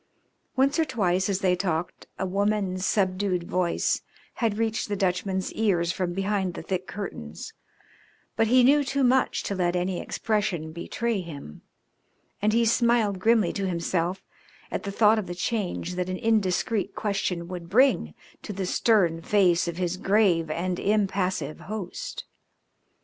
Once or twice as they talked a woman's subdued voice had reached the Dutchman's ears from behind the thick curtains, but he knew too much to let any expression betray him, and he smiled grimly to himself at the thought of the change that an indiscreet question would bring to the stern face of his grave and impassive host.